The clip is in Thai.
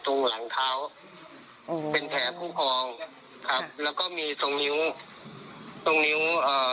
ตรงหลังเท้าอืมเป็นแผลผู้กองครับแล้วก็มีตรงนิ้วตรงนิ้วเอ่อ